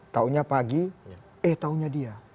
tahunya pagi eh tahunya dia